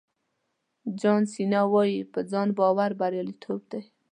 جان سینا وایي په ځان باور بریالیتوب دی.